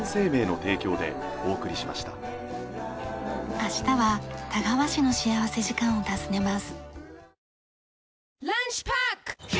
明日は田川市の幸福時間を訪ねます。